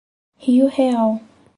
Rio Real